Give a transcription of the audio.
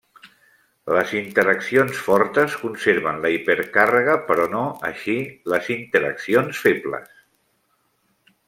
Les interaccions fortes conserven la hipercàrrega, però no així les interaccions febles.